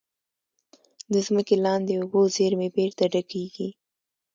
د ځمکې لاندې اوبو زیرمې بېرته ډکېږي.